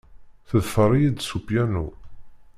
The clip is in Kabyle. Teḍfer-iyi-d s upyanu.